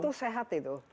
itu sehat itu